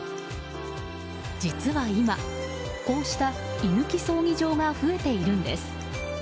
実は今、こうした居抜き葬儀場が増えているんです。